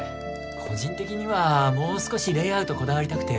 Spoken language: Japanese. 個人的にはもう少しレイアウトこだわりたくて。